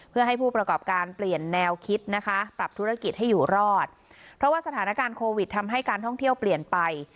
เพื่อให้ผู้ประกอบการเปลี่ยนแนวคิดนะคะปรับธุรกิจให้อยู่รอดเพราะว่าสถานการณ์โควิดทำให้การท่องเที่ยวเปลี่ยนไป